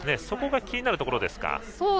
そこが気になるところですか。